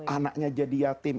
anaknya jadi yatim